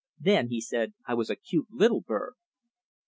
Then he said I was a cute little bird.